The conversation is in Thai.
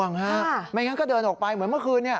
ไม่งั้นก็เดินออกไปเหมือนเมื่อคืน